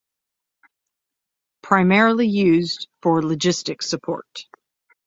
Primarily used for logistic support.